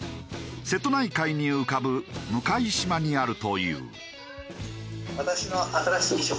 瀬戸内海に浮かぶ向島にあるという。